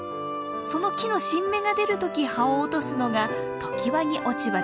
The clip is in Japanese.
その木の新芽が出る時葉を落とすのが常磐木落葉です。